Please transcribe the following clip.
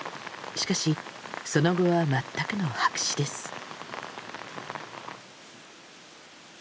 しかしその後は全くの白紙です。